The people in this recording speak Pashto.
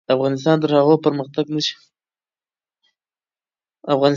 افغانستان تر هغو پرمختګ نشي کولای چې د بهرنیو ایډیالوژیو د جګړې ډګر وي.